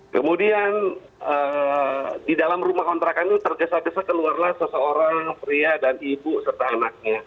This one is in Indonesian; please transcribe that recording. kemudian di dalam rumah kontrakan itu tergesa gesa keluarlah seseorang pria dan ibu serta anaknya